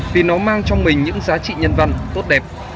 vì nó mang trong mình những giá trị nhân văn tốt đẹp